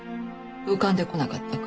浮かんでこなかったか？